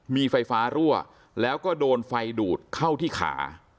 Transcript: มีไฟฟ้ารั่วแล้วก็โดนไฟดูดเข้าที่ขา